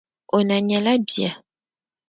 O na nyɛla bia.